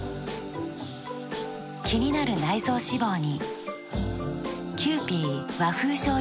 気になる内臓脂肪に。